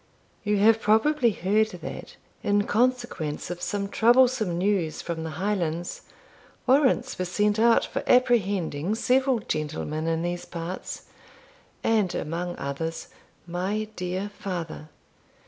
You have probably heard that, in consequence of some troublesome news from the Highlands, warrants were sent out for apprehending several gentlemen in these parts, and, among others, my dear father.